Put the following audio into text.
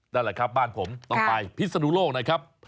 นั่นแหละครับบ้านผมต้องไปพิศนุโลกนะครับ